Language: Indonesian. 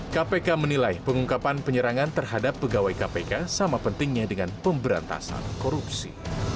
kpk menilai pengungkapan penyerangan terhadap pegawai kpk sama pentingnya dengan pemberantasan korupsi